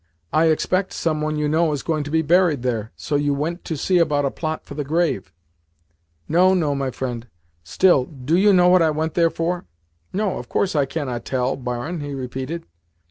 "I expect some one you know is going to be buried there, so you went to see about a plot for the grave." "No, no, my friend. Still, DO you know what I went there for?" "No, of course I cannot tell, barin," he repeated.